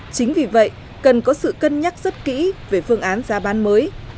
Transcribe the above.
chính vì vậy cần có sự cân nhắc rất kỹ về phương án giá bán mới